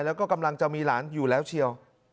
แล้วก็กำลังจะมีหลานอยู่แล้วเชียว